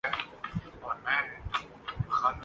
دنیا بھر میں کرکٹ شائقین کی تعداد ایک ارب سے تجاوز کر گئی